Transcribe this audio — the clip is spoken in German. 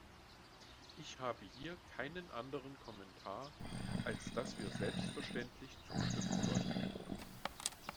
Ich habe hier keinen anderen Kommentar, als dass wir selbstverständlich zustimmen sollten.